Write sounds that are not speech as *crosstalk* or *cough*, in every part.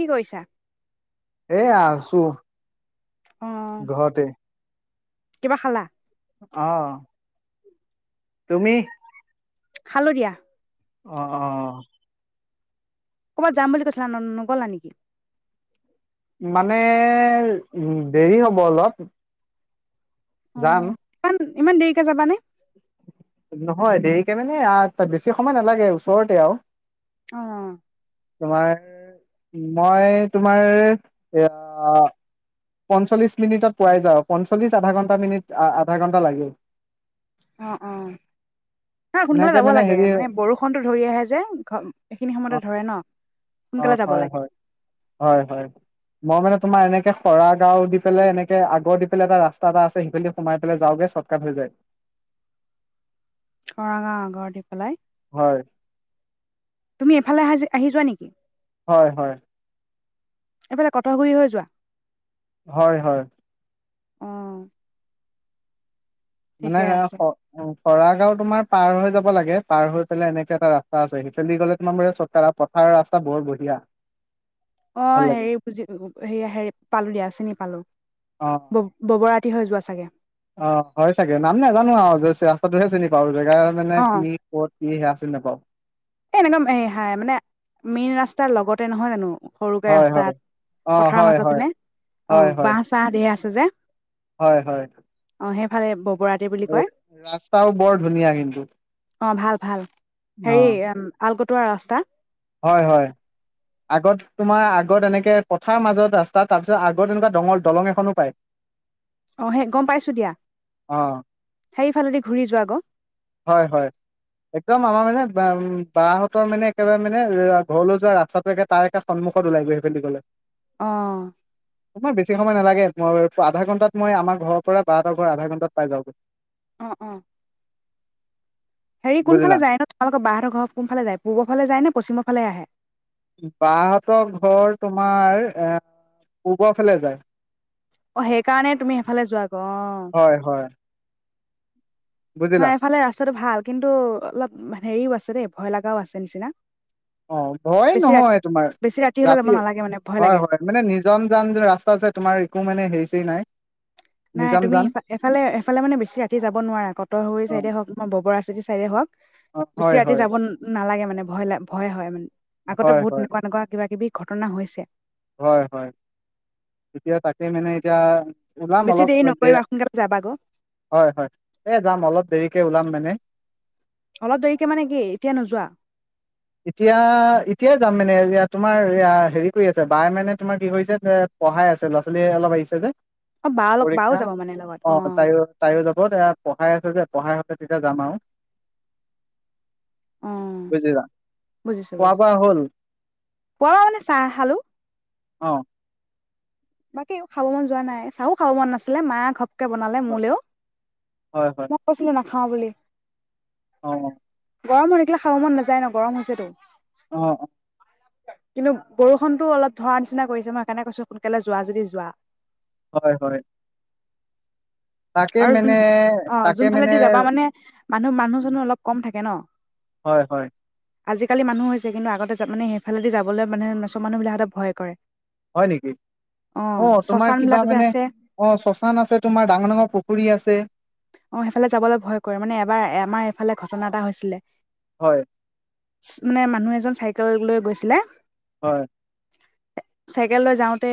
কি কৰিছা এইয়া আছোঁ অ', ঘৰতে কিবা খালা আহ তুমি খালো দিয়া অ অ ক'ৰবাত যাম বুলি ক নগ'লা নেকি মানে উ দেৰি হ'ব অলপ যাম অ', ইমান ইমান দেৰিকে যাবানে নহয় দেৰিকে মানে তাত বেছি সময় নালাগে ওচৰতে আৰু অ তোমাৰ মই তোমাৰ এয়া পঞ্চল্লিছ মিনিটত পোৱা যায় পঞ্চল্লিছ আধা ঘণ্টা মিনিট আধা ঘণ্টা লাগে অ অ না সোনকালে এনেকে যাব লাগে হেৰি মানে বৰষুণটো ধৰি আহে যে এইখিনি অ সময়তে ধৰে ন অ সোনকালে যাব হয় লাগে হয় তৰা গাঁও দি পেলাই এনেকে আগৰ দি পেলাই এটা ৰাস্তা এটা আছে সিফালি সোমাই পেলাই যাওঁগে চৰ্টকাট হৈ যায় তৰা গাঁও আগৰ দি পেলাই হয় এফালে আহা যে আহি যোৱা নেকি হয় হয় এইফালে কঠ ঘুৰী হৈ যোৱা হয় হয় আহ মানে তৰা গাঁও তোমাৰ পাৰ হৈ যাব লাগে পাৰ হৈ পেলাই এনেকে এটা ৰাস্তা আছে সেইফালেদি গ'লে তোমাৰ এই চৰ্টকাট পথাৰ ৰাস্তা বৰ বঢ়িয়া। অ ভাল লাগে হেৰি বুজি হেৰি হে পালো দিয়া চিনি পালো অ ব ববৰাতি হৈ যোৱা চাগে অ হয় চাগে নাম নাজানো আৰু ৰাস্তাটোহে চিনি পাওঁ জেগাৰ মানে কি ক'ত কি সেয়া চিনি নাপাওঁ এ এনেকুৱা হ হাই মানে মেইন ৰাস্তাৰ লগতে নহয় জানো সৰুকে হয় হয় ৰাস্তাত অ পথাৰৰ হয় মাজেৰ হয় পিনে অ হয় বাঁহ চাহ ধেৰ আছে যে হয় হয় অ সেইফালে ব ৰাস্তাও বৰ ধুনীয়া কিন্তু অ ভাল ভাল হেৰি অ আলকটোৱা ৰাস্তা হয় হয় আগত তোমাৰ আগত এনেকে পথাৰ মাজত ৰাস্তা তাৰপিছত আগত এনেকুৱা দলং দলং এখনো পায় অ সেই গম পাইছোঁ দিয়া অ সেইফালেদি ঘূৰি যোৱা আকৌ হয় হয় একদম আমাৰ মানে বা হতৰ মানে একেবাৰে মানে ঘৰলৈ যোৱা ৰাস্তাটো একে তাৰ একে সন্মুখত ওলাই গৈ সেই পিনে দি গলে অহ টোমাৰ বেছি সময় নালাগে মই আধা ঘণ্টাত মই আমাৰ ঘৰৰ পৰা বা এটা ঘৰ আধা ঘণ্টাত পাই যাওগৈ অ অ হেৰি কোনফালে বুজিলা যায় ন তোমালোকৰ বাহহতৰ ঘৰ কোনাল যায় পূৰ ফালে যায় নে পশ্চিমৰ ফালে আহে বাহহঁতৰ ঘৰ তোমাৰ এ পূ্বৰ ফালে যায় অ সেই কাৰণে তুমি সেইফালে যোৱা? অ হয় হয় বুজিলা নাই এফালে ৰাস্তাটো ভাল কিন্তু অলপ হেৰিও আছে দেই ভয় লগাও আছে নিচিনা অ ভয়ে বেছি ৰাতি নহয় তোমাৰ বেছি ৰাতি হলে যাব ৰাতিয়ে নালাগে মানে ভয় লাগে হয় হয় মানে নিজম যান যে ৰাস্তা আছে তোমাৰ একো মানে হেৰি নাই নাই নিজাম তুমি যান এফালে এফালে মানে বেছি ৰাতি যাব নোৱাৰা কটৰগুৰি অ চাইডে হওক বা ববৰা চিতি চাইডে হওক অ বেছি হয় ৰাতি হয় যাব নালাগে মানে মানে ভয় লাগ ভয় হয় মানে আগতে হয় বহুত হয় এনেকুৱা এনেকুৱা কিবাকিবি ঘটনা হৈছে হয় হয় এতিয়া তাকে মানে এতিয়া ওলাম বেছি অলপ দেৰি দে নকৰিবা সোনকালে যাবা গ হয় হয় এই যাম অলপ দেৰিকে ওলাম মানে অলপ দেৰিকে মানে কি এতিয়া নোযোৱা এতিয়া এতিয়াই যাম মানে এতিয়া তোমাৰ এ হেৰি কৰি আছে বাই মানে তোমাৰ কি কৰিছে পঢ়াই আছে ল'ৰা ছোৱালী অলপ আহিছে যে অ বা বাও পৰীক্ষা যাব মানে লগত অ তাইও তাইও যাব এয়া পঢ়াই আছে যে পঢ়াই তেতিয়া যাম আৰু অ বুজিলা বুজিছ খোৱা বুজিছ বোৱা হ'ল পোৱা মানে চাহ খালো অ বাকী একো খাব মন যোৱা নাই চাও খাব মন নাছিলে মা ঘ বনালে হয় মোলেও হয় হয় মই কৈছিলো ন খাও বুলি অ দেখিলে খাব মন নাযায় ন গৰম হৈছেতো অ অ কিন্তু বৰষুণতো অলপ ধৰা নিচিনা কৰিছে মই সেই কাৰণে কৈছো কলে যোৱা যদি যোৱা হয় হয় তাকে আৰু মানে যোন অ তাকে যোন মানে ফালেদি যাবা মানে মানুহ মানুহ জনো অলপ কম থাকে ন হয় হয় আজিকালি মানুহ হৈছে কিন্তু আগতে মানে সেইফালেদি যাবলৈ মানেৰ মানুহবিলাকঁতে ভয় কৰে হয় নেকি অঁ অ তোমাৰ কিবা শশানবিলাক যে মানে আছে অ শশান আছে তোমাৰ ডাঙৰ ডাঙৰ পুখ কৰি আছে অ সেইফালে যাবলৈ ভয় কৰে মানে এবাৰ আমাৰ এইফালে ঘটনা এটা হৈছিলে হয় মানে মানুহ এজন চাইকেল লৈ গৈছিলে হয় চাইকেল লৈ যাওঁতে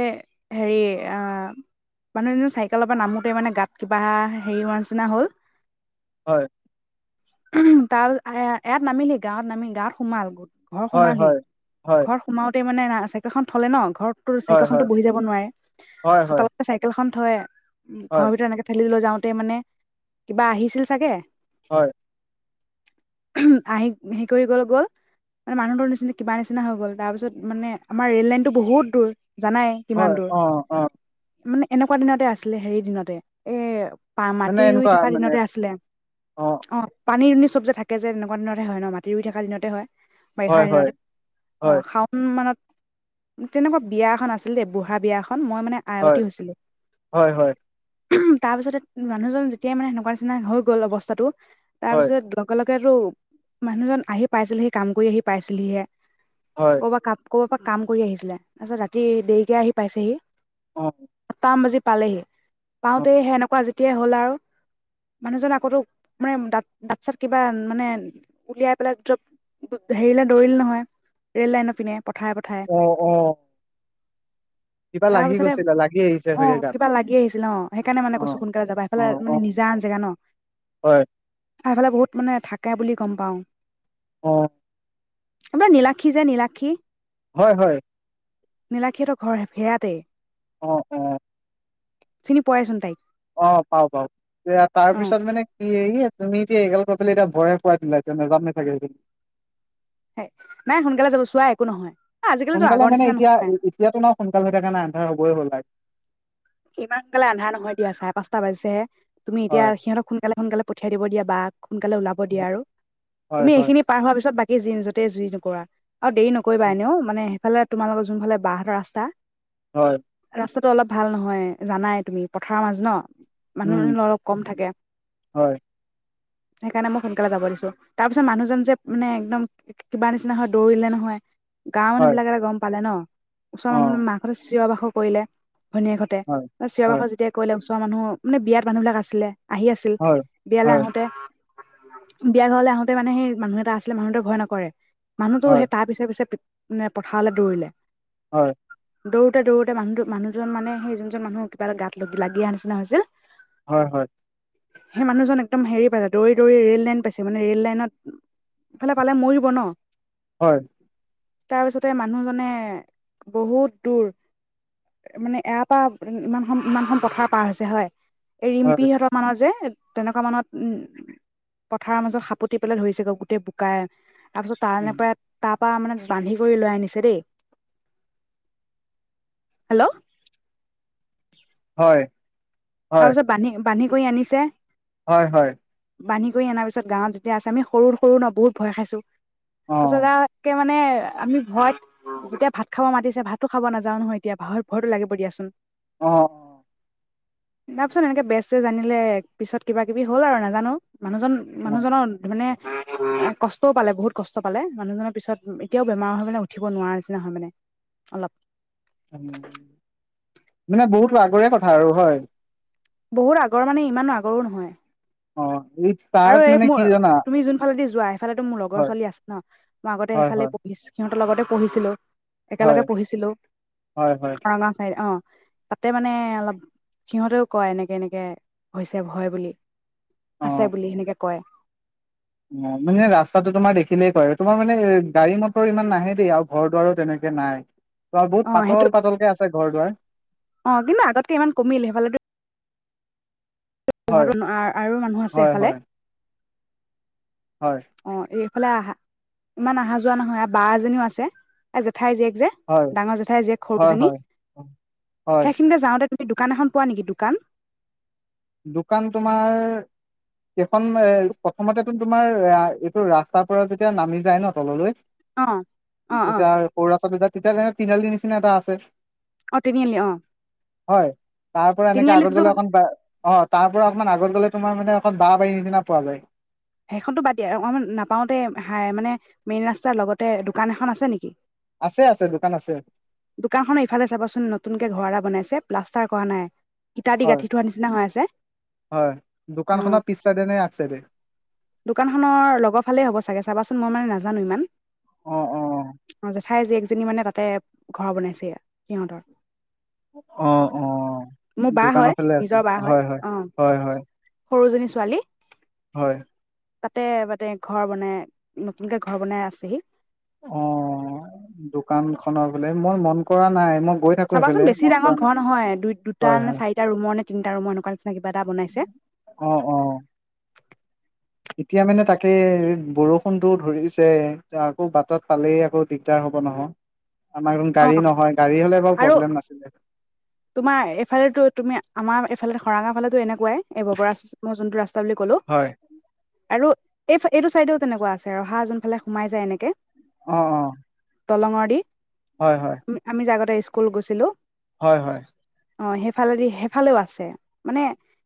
হেৰি অ মানুহ এ চাইকেলৰ পৰা নামোতে মানে গাত কিবা হেৰি হোৱা চিনা হ'ল হয় তাৰ পাছত ইয়াত নামিলি গাঁৱত নামি গাঁৱত সোমাল গোট ঘৰ হয় সোমালহি হয় হয় ঘৰ সোমাওতে মানো চেকখন থলে ন ঘৰত হয় হয় চাইকেলখনতো বহি যাব নোৱাৰে হয় হয় চোতালতে চাইকেলখন হয় উ হয় ঘৰ ভিতৰত এনে ঠেলিলৈ লৈযাওঁ তে মানে কিবা আহিছিল চাগে হয় আহি হেৰি কৰি গল গ'ল মানে মানুহটোৰ নিচিনা কিবা নিচিনা হৈ গ'ল তাৰ পিছত মানে আমাৰ ৰেল লাইনতটো বহুত দূৰ জানাই কিমান হয় দূৰ অ অ মানে এনেকুৱা দিনতে আছিলে হেৰি দিনতে এ পা মানে টি ৰুই এনেকুৱা থকা মানে দিনতে আছিলে অ পানী দুনি চব যে থাকে যে তেনে কোনতে হয় ন মাটি ৰুই থকা দিনতে হয় বাৰিষা হয় দিনত হয় অ হয় শাওন মানত তেনেকুৱা বিয়া এখন আছিল দেই বুঢ়া বিয়া এখন মই মানে আইতী হয় হৈছিলো হয় হয় তাৰপিছতে মানুহজন তেতিয়া মানে সেনেকুৱা নিচিনা হৈ গ'ল অৱস্থাটো তাৰ হয় পিছত লগে লগে তাকেতো মানুহজন আহি পাইছিলেহি কাম কৰি আহি পাইছিলিহে হয় কবা কাম ক'ৰবাৰ পৰা কাম কৰি আহিছিলে তাৰপিছত ৰাতি দেৰিকে আহি পাইছেহি অ আঠা বাজি পালেহি পাওঁতে সেনেকুৱা যে তেতিয়া হ'ল আৰু মানুহজন আকৌ মানে দাঁ দাঁত চাত কিবা মানে উলিয়াই পেলাই ধৰ হেৰিলে দৌৰিলে নহয় ৰেল লাইনৰ পিনে পঠায় পঠায় অ অ অ কিবা তাৰ লাগি পিছতে গৈছিলে লাগি আহিছে অ চাগে গাত কিবা লাগি আহিছিল অ সেইকাৰণে মানে অ কৈছো সোনকালে যাবা অ এফালে অ অ নিজান জেগা ন হয় এই ফালে বহুত মানে থাকে বুলি গম পাওঁ অ আপোনাৰ নীলাক্ষী যে নীলাক্ষী হয় হয় নীলাক্ষী হঁতৰ ঘৰ সেয়াতেই অ অ চিনি পোৱাইচোন তাইক। অ পা পাওঁ এ তাৰ অ পিছত মানে। তুমি এতিয়া এইগাল কৈ পেলাই এতিয়া ভয় হে খুৱাই দিলা নোজান নেথাকে। হ নাই সোনকালে যাব চোৱা একো নহয়। আজিকালিতো সোনকালে আগৰ মানে নিচিনা এতিয়া নহয় এতিয়াতো নাই সোনকাল হৈ থকা নাই। হা শুবয়ে হ'ল পাই। ইমানকালে আন্ধা নহয় দিয়া চাৰে পাঁচটা বাজিছেহে। তুমি এতিয়া হয় সিহঁতক সোনকালে সোনকালে পঠিয়াই। খেদিব দিয়া বাঘ। সোনকালে ওলাব দিয়া আৰু হয় তুমি হয় এইখিনি পাৰ হোৱা পিছত বাকী। জি নিজতে জুই নকৰা। আৰু দেৰি নকৰিবা এনেও মানে সেইফালে তোমালোকৰ যোনফালে। বাঁ হাত ৰাস্তা। হয় ৰাস্তা টো অলপ ভাল নহয়। য় জানাই তুমি পথাৰৰ মাজ ন। মানুহ উম মহ অলপ কম থাকে। হয় সেইকাৰণে মই সোনকালে যাব দিছো তাৰ পিছত মানুহজন যে মানে একদম কিবা নিচিনা হয় দৌৰিলে নহয়। গাঁৱৰ মানুহ হয়, বিলাকে যে গম পালে ন। ওচৰ অ', মানুহলে মা ঘৰে চিঞৰ বাসৰ। কৰিলে ভনীয়েক। হয়, চিঞৰ হয়, বাখৰ যেতিয়া কৰিলে। মোৰ মানে বিয়াত মানুহ বিলাক আছিলে। আহি আছিল হয়, বিয়ালৈ হয়, আহোতে। বিয়া ঘৰলৈ আহোতে মানে সেই মানুহ এটা আছিলে মানুহতোৱে ভয় নকৰে। মানুহ তো হয়, সেই তাৰ পিছে পিছে। মানে পথাৰলৈ দৌৰিলে। হয়। দৌৰোতে দৌৰোতে মানুহটো মানুহজন মানে সেই। যোনজন মানুহ কিবা এটা গাত লাগি লাগিঅহা নিচিনা হৈছিল। হয় হয়। সেই মানুহজন একদম হেৰি পাইছে দৌৰি দৌৰি ৰেল লাইন পাইছে মানে ৰেল লাইনত ইফালে পালে মৰিব ন। হয়। তাৰপিছতে মানুহজনে বহুত দূৰ মানে এপ। হয় ইমান খন ইমান খন পথাৰ পাৰ হৈছে হয়। হয়, এৰিম্পি হয়, সিহঁতৰ মানুহ যে তেনেকুৱা মানত উম পথাৰৰ মাজত সাপতি পেলাই ধৰিছেগৈ গোটেই বোকাই তাৰপিছত তাৰ উম, পৰা তাত তাৰ মানে বান্ধি কৰি লৈ আনিছে দেই হেল্ল' হয় তৰ হয়, পাছত বান্ধি বান্ধি কৰি আনিছে হয় হয় বান্ধি কৰি অনাৰ পিছত গাঁৱত যেতিয়া আছে আমি সৰু সৰু ন বহুত ভয় খাইছো অ', পাচলৈ আও মানে আমি ভয়ত যেতিয়া ভাত খাব মাতিছে ভাতো খাব নাযাও নহয় এতিয়া ভ ভয়তো লাগিব দিয়াচোন অ যাবচোন এনেকে বেষ্ট চেছ আনিলে পিছত কিবা কিবি হ'ল আৰু নাজানো মানুহজন অ', মানুহজনৰ মানে কষ্টও পালে বহুত কষ্ট পালে মানুহজনৰ পিছত এতিয়াও বেমাৰ হয় মানে উঠিব নোৱাৰা নিচিনা হয় মানে অলপ মানে বহুতো আগৰে কথা আৰু হয় বহুত আগৰ মানে ইমানো আগৰো নহয় অ এই তাত আৰু এই মানে কি মোৰ জানা তুমি যোন ফালেদি যোৱা সেই ফালে টো মোৰ লগৰ হয়, ছোৱালী আছে ন মই আগতে হয়, সেইফালে হয়, পঢ়িছো সিহত লগতে পঢ়িছিলো একেলগে হয়, পঢ়িছিলো হয়, হয়, খৰগাও চাইড অ তাতে মানে অলপ সিহঁতেও কয় এনেকে এনেকে হৈছে ভয় বুলি তই অ', বুলি সেনেকে কয় অ মানে ৰাস্তাটো তোমাৰ দেখিলেই কয় তোমাৰ মানে গাড়ী মটৰ ইমান নাহে দেই আৰু ঘৰ দোৱাৰু আৰু তেনেকে নাই ইয়াত অ বহুত সেইটো পাতল পাতলকে আছে হয় ঘৰ দুৱাৰ অ কিন্তু আগতকে ইমান কমিল সেইফালে টো হয়, আৰু মানুহ আছে হয়, হেফালে হয়, হয়, অ এই ইফালে আহা ইমান অহা যোৱা নহয় মানে বা এজনীও আছে আৰু জেঠাই জীয়েক যে হয়, ডাঙৰ জেঠাই যে হয়, সৰুজনী হয়, হয়। সেইখিনিতে যাওঁতে তি দোকান এখন পোৱা নেকি দোকান দোকান তোমাৰ কেইখন এ প্ৰথমতে টো তোমাৰ এ এইটো ৰাস্তাৰ পৰা যেতিয়া নামি যায় ন তললৈ অ অ অ তেতিয়া সৰু ৰাস্তা তে তেতিয়া তে তিনিনালিৰ নিচিনা এটা আছে অ তিনিআলি অ হয় তাৰ পৰা এনেকে আগত তিনিআলিতো গ'লে অকণ অ তাৰ পৰা অকণমান আগত গ'লে তোমাৰ মানে এখন বাহ বাৰীৰ নিচিনা পোৱা যায় সেইখনতো বাদ দিয়া অকমান নাপাওতে হ মানে মেইন ৰাস্তাৰ লগতে দোকান এখন আছে নেকি আছে আছে দোকান আছে দোকানখন ইফালে চাবাচোন নতুনকে ঘৰ এটা বনাইছে প্লাষ্টাৰ কৰা নাই ইটা দি হয় গাঁঠি থোৱা নিচিনা হৈ আছে হয় অ দোকান খনৰ পিছ চাইডে নে আগ চাইডে দোকানখনৰ লগৰ ফালেই হ'ব চাগে চাবাচোন মই মানে নাজানো ইমান অ অ অ দে জেঠাই জীয়েকজনী মানে তাতে ঘৰ বনাইছে সিহঁতৰ অ অ মোৰ বা হয় দোকানৰ ফালে আছে নিজৰ বা হয় হয় অ হয় হয় সৰুজনী ছোৱালী হয় তাতে মাে ঘৰ বনাই নতুনকে ঘৰ বনাই আছেহি অ দোকান খনৰ বোলে মই মন কৰা নাই মই গৈ থাকো চাবাচোন সেইফালে বেছি মন কৰা ডাঙৰ নাই ঘৰ নহয় দুই দুটা হয় হয় নে চাৰিটা ৰুমৰ নে তিনিটা ৰুমৰ এনেকুৱা নিচিনা কিবা এটা বনাইছে অ', অ', এতিয়া মানে তাকে বৰষুণটো ধৰিছে আকৌ বাটত পালেই আকৌ দিগদাৰ হব নহয় আমাৰ এক অ গাড়ী নহয় গাড়ী হলে বা আৰু প্ৰব্লেম নাছিলে তোমাৰ এফালেতো তুমি আমাৰ ইফালে খৰাঙৰ ফালে এনে এনেকুৱাই এব পৰা মই যোনটো ৰাস্তা বুলি ক'লো অ', আৰু এই এইটো চাইডেও তেনেকুৱা আছে আহা যোনফালে সোমাই যায় এনেকে অ অ দলংৰ দি হয়, হয়, আমি যে আগতে আহিছো স্কুল গৈছিলো হয় হয় অ সেইফালেদি সেইফালেও আছে মানে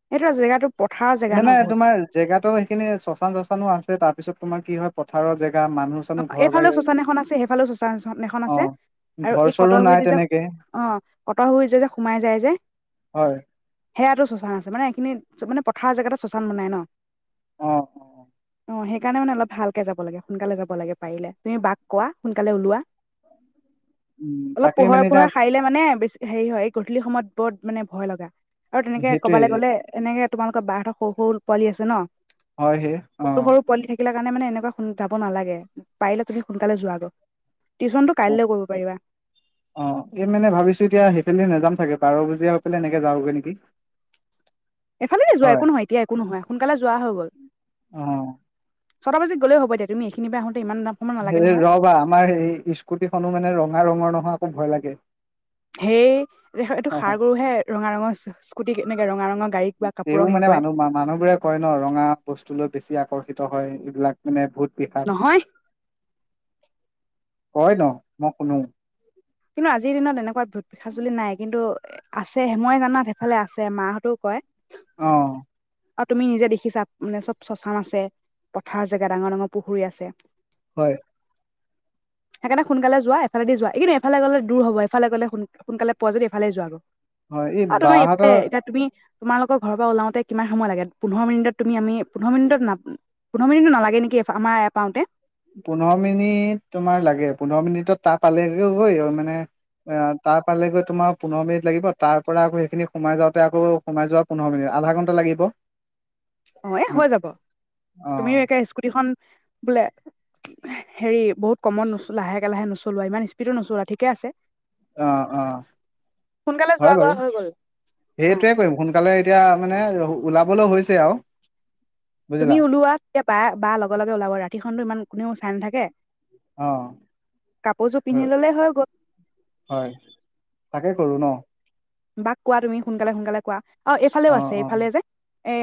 সেইটোৰা জেগাটো পথাৰৰ জেগা ন মানে বহুত তোমাৰ জেগাতো সেইখিনি শশান শশানো আছে তাৰপিছত তোমাৰ কি হয় পথাৰৰ জেগা মানুহ অ চানুহ ঘৰ বাৰী এইফালেও শ্মশান এখন আছে সেইফালেও শ্মশান এখন আছে অ', আৰু ঘৰ এই চৰো কটৰ নাই গুৰিত যে তেনেকে অ কটৰ গুৰিত যে সোমাই যায় যে। হয় সেয়াইটো শ্মশান আছে মানে এইখিনিত মানে পথাৰৰ জেগাতে শ্মশান বনাই ন। অ অ অ সেইকাৰণে মানে অলপ ভালকে যাব লাগে সোনকালে যাব। যাব লাগে পাৰিলে তুমি বাক কোৱা সোনকালে ওলোৱা। উম, অলপ তাকেই মানে পোহৰে এতিয়া পোহৰে সাৰিলে মানে বেছি হেৰি হয় গধূলি সময়ত। বহুত মানে ভয় লগা। আৰু তেনেকে সেইটোৱে কবালৈ গলে এনেকে। তোমালোকৰ বা হতৰ সৰু সৰু পোৱালি আছে ন। হয় সেই অ সৰু সৰু পোৱালি থাকিলে কাৰণে মানে এনেকুৱা ফোন উঠাব নালাগে। পাৰিলে তুমি সোনকালে যোৱাগৈ। টিউচনটো অ কাইলৈ কৰিব পাৰিবা অ এই মানে ভাবিছোঁ এতিয়া সেইফালে নেযাম। চাগে বাৰ বজিয়া হৈ পেলাই এনেকে যাওঁগে নেকি। এইফালেতে যোৱা হয় একো নহয় এতিয়া একো নহয় সোনকালে যোৱা হৈ গল। অ'। ছটা বাজাত গলেও হ'ব এতিয়া উম এইখিনি। ইমান সময় হে নালাগে নহয় ৰবা আমাৰ সেই স্কুটি খনো মানে ৰঙা ৰঙৰ নহয়। অ আকৌ ভয় লাগে। সেই দেখ এইটো ষাৰ গৰুহে ৰঙা ৰঙৰ স্কুটি কে। *unintelligible* ৰঙা ৰঙৰ গাড়ীক বা কাপোৰক তেওঁ হেৰি মানে কৰে মানুহ মানুহ বোৰে কয় ন ৰঙা বস্তু লৈ বেছি আকৰ্ষিত হয় এইবিলাক মানে ভূত পিশাচ নহয় কয় ন মই শুনো কিন্তু আজিৰ দিনত এনেকুৱা ভূত পিশাচ বোলি নাই কিন্তু আছে মই জানাত সেইফালে আছে মা হতেও কয় অ আৰু তুমি নিজে দেখিছা মানে চব শ্মশান আছে পথাৰ জেগা ডাঙৰ ডাঙৰ পুখুৰী আছে হয় সেইকাৰণে সোনকালে যোৱা এফালেদি যোৱা এইকেইদিন এফালে গ'লে দূৰ হ'ব এফালে গলে সোনকালে পোৱা যদি ইফালে যোৱা গৈ হয় এই অ তোমাৰ এইপাৰে বাহঁতৰ এতিয়া তুমি তোমালোকৰ ঘৰৰ পৰা ওলাওঁতে কিমান সময় লাগে পোন্ধৰ মিনিটত তুমি আমি পোন্ধৰ মিনিট না পোন্ধৰ মিনিট নালাগে নেকি আমাৰ এয়া পাওঁতে পোন্ধৰ মিনিট তোমাৰ লাগে পোন্ধৰ মিনিটত তাৰ পালে গৈ মানে তাৰ পালে গৈ তোমাৰ পোন্ধৰ মিনিট লাগিব তাৰ পৰা আকৌ সেইখিনি সোমাই যাওঁতে আকৌ সোমাই যোৱা পোন্ধৰ মিনিট আধা ঘন্টা লাগিব অ এই হৈ যাব তুমি অ একে স্কুটিখন বোলে হেৰি বহুত কমত নচলোৱা লাহে লাহে নচলোৱা ইমান স্পীডো নচলোৱা ঠিকে আছে অ অ সোনকালে হয় যোৱা বাৰু কৰা হৈ গ'ল অঁ সেইটোৱে কৰিম সোনকালে এতিয়া মানে ওলাবলৈ হৈছে আও তুমি ওলোৱাা তেতিয়া বা লগে লগে ওলাব ৰাতিখনো ইমান কোনেও চাই নাথাকে অ কাপোৰযোৰ পিন্ধি ল'লে হৈ গ'ল হয় তাকে কৰো ন বাকী কোৱা তুমি সোনকালে সোনকালে কোৱা অ এইফালেও আছে এইফালে যে এই